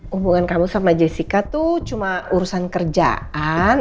hubungan kamu sama jessica tuh cuma urusan kerjaan